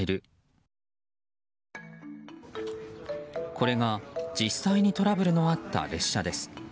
これが実際にトラブルのあった列車です。